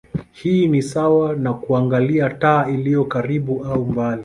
Hii ni sawa na kuangalia taa iliyo karibu au mbali.